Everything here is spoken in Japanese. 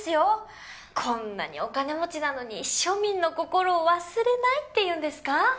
こんなにお金持ちなのに庶民の心を忘れないっていうんですか？